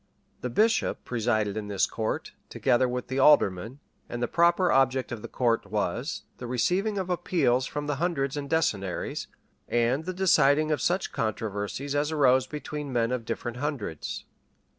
The bishop presided in this court, together with the alderman; and the proper object of the court was, the receiving of appeals from the hundreds and decennaries, and the deciding of such controversies as arose between men of different hundreds.